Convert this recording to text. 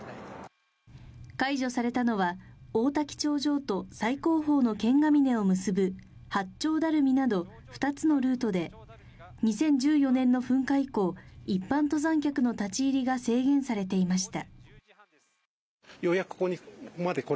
解除されたのは、王滝頂上と最高峰の剣ヶ峰を結ぶ八丁ダルミなど２つのルートで、２０１４年の噴火以降、一般登山客の立ち入りが制限されていました。